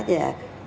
hoặc là máng đồ điện